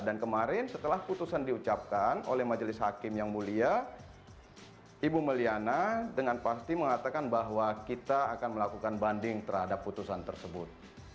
dan kemarin setelah putusan diucapkan oleh majelis hakim yang mulia ibu may liana dengan pasti mengatakan bahwa kita akan melakukan banding terhadap putusan tersebut